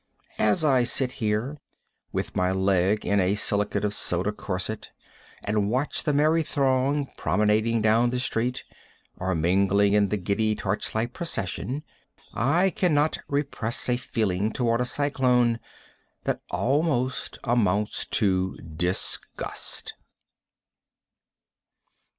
As I sit here, with my leg in a silicate of soda corset, and watch the merry throng promenading down the street, or mingling in the giddy torchlight procession, I cannot repress a feeling toward a cyclone that almost amounts to disgust.